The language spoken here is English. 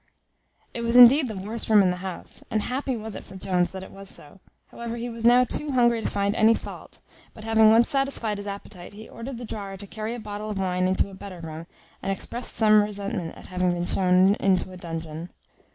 It was indeed the worst room in the house; and happy was it for Jones that it was so. However, he was now too hungry to find any fault; but having once satisfied his appetite, he ordered the drawer to carry a bottle of wine into a better room, and expressed some resentment at having been shown into a dungeon.